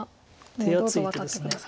手厚い手です。